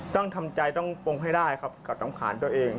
ต้องทำใจต้องปงให้ได้ครับกับน้ำขานตัวเอง